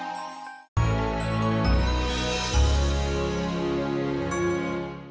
gak ada apa apa